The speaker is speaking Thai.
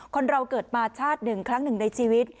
คนเราเกิดมาชาติหนึ่งครั้งหนึ่งในชีวิต